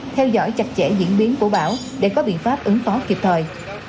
theo dõi chặt chẽ diễn biến của bão để có biện pháp ứng phó kịp thời